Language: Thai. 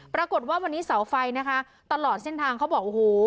ปรากฏว่าวันนี้เสาไฟนะคะตลอดเส้นทางเขาบอกโอ้โห